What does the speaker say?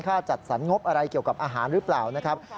จัดสรรงบอะไรเกี่ยวกับอาหารหรือเปล่านะครับ